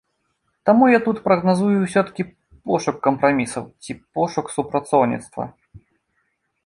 Таму я тут прагназую ўсё-ткі пошук кампрамісаў ці пошук супрацоўніцтва.